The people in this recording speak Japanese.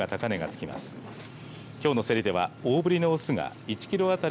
きょうの競りでは大ぶりのオスが１キロ当たり